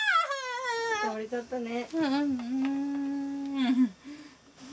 倒れちゃったね。